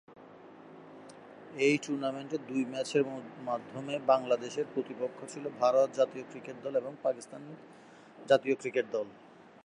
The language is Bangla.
এই টুর্নামেন্টে দুই ম্যাচের মাধ্যমে বাংলাদেশের প্রতিপক্ষ ছিল ভারত জাতীয় ক্রিকেট দল এবং পাকিস্তান জাতীয় ক্রিকেট দল।